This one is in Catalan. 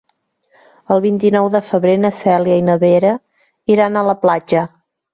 El vint-i-nou de febrer na Cèlia i na Vera iran a la platja.